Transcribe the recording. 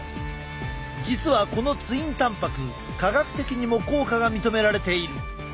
実はこのツインたんぱく科学的にも効果が認められている。